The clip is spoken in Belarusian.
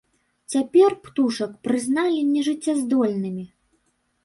Цяпер птушак прызналі нежыццяздольнымі.